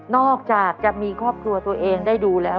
อกจากจะมีครอบครัวตัวเองได้ดูแล้ว